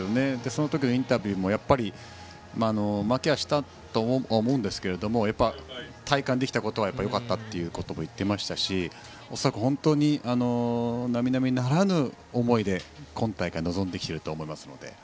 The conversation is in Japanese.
その時のインタビューでも負けはしたと思いますが体感できたことはよかったと言っていましたし恐らくなみなみならぬ思いで今大会に臨んできていると思います。